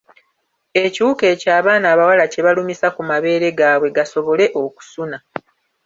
Ekiwuka ekyo abaana abawala kye balumisa ku mabeere gaabwe gasobole okusuna.